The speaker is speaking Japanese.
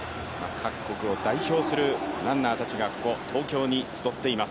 各国を代表とするランナーがここ東京に集っています。